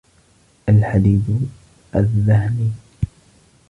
الْحَدِيدِ الذِّهْنِ